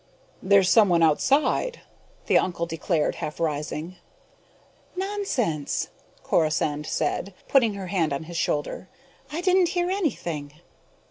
"There's someone outside!" the uncle declared, half rising. "Nonsense!" Corisande said, putting her hand on his shoulder. "I didn't hear anything."